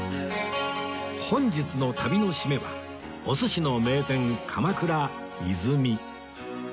本日の旅の締めはお寿司の名店鎌倉以ず美